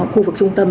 khu vực trung tâm